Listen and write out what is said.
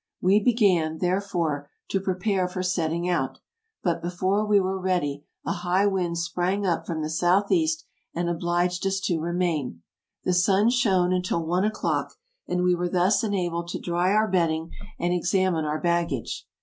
We began, therefore, to prepare for setting out; but before we were ready a high wind sprang up from the south east, and obliged us to remain. The sun shone until one o'clock, and we were thus enabled to dry our bedding and examine our bag gage.